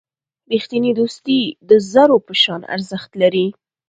رښتینی دوستي د زرو په شان ارزښت لري.